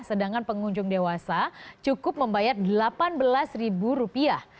sedangkan pengunjung dewasa cukup membayar delapan belas ribu rupiah